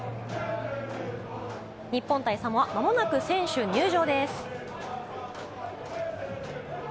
日本対サモア、間もなく選手入場です。